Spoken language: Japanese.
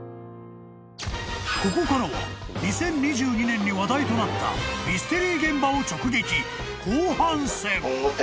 ［ここからは２０２２年に話題となったミステリー現場を直撃］